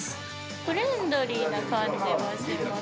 フレンドリーな感じがします。